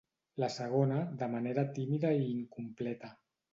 la segona, de manera tímida i incompleta